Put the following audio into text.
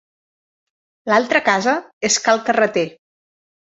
L'altra casa és Cal Carreter.